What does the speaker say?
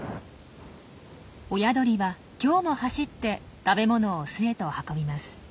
親鳥は今日も走って食べ物を巣へと運びます。